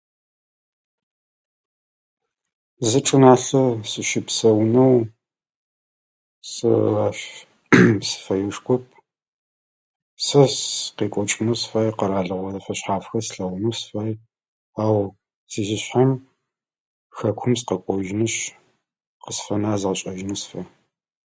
Зы чӏыналъэ сыщыпсэунэу сэ ащ сыфэешхоп. Сэ сыкъекӏокӏынэу сыфай, къэралыгъо зэфэшъхьафхэр слъэгъунэу сыфай. Ау сижъышъхьэм хэкум сыкъэкӏожьынышъ къысфэнагъэр згъэшӏэжьынэу сыфай.